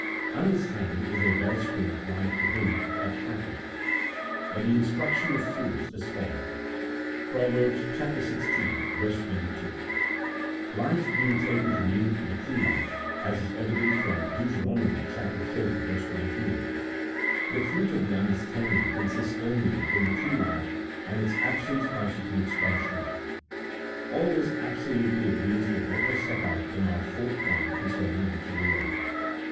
" Understanding is a well spring of life to him that hath it; but the instruction of fools is folly," Prov. xvi. 22. Life being taken to mean the true life (as is evident from Deut. xxx. 19), the fruit of the understanding consists only in the true life, and its absence constitutes punish ment. All this absolutely agrees with what was set out in our fourth point concerning natural law.